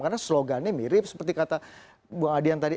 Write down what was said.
karena slogannya mirip seperti kata bung adian tadi